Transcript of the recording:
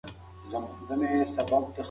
وخت لکه باد داسې تیریږي او موږ یې نه محسوسوو.